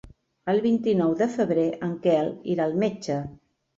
El vint-i-nou de febrer en Quel irà al metge.